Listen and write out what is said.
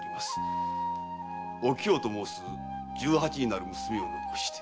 「お京」と申す十八歳になる娘を残して。